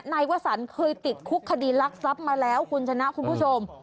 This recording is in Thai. นายวสันเคยติดคุกคดีรักทรัพย์มาแล้วคุณชนะคุณผู้ชม